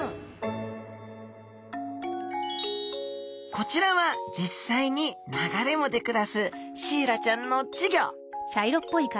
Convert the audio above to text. こちらは実際に流れ藻で暮らすシイラちゃんの稚魚。